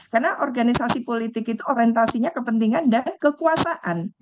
karena organisasi politik itu orientasinya kepentingan dan kekuasaan